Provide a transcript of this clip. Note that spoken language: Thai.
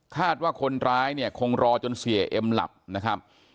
คาดว่าคนร้ายเนี่ยคงรอจนเสียเอ็มหลับนะครับ